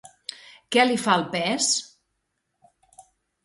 Què li fa el pes?